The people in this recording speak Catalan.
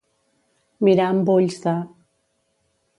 Mirar amb ulls de.